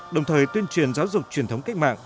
đồng thời tuyên truyền giáo dục truyền thống cách mạng